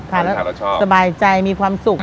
ทานแล้วสบายใจมีความสุข